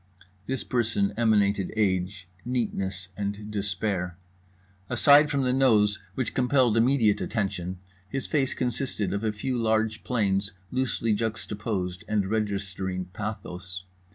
This person emanated age, neatness and despair. Aside from the nose which compelled immediate attention, his face consisted of a few large planes loosely juxtaposed and registering pathos.